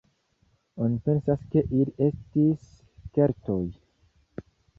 Oni pensas ke ili estis Keltoj.